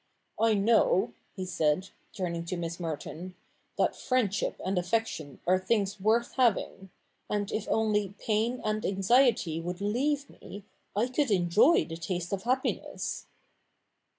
I know,' he said, turning to Miss Merton, ' that friendship and affection are things worth having ; and if only pain and anxiety would leave me, I could enjoy the taste of happiness.'